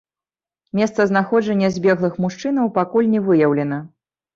Месца знаходжання збеглых мужчынаў пакуль не выяўлена.